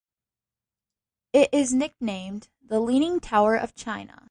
It is nicknamed the 'Leaning Tower of China'.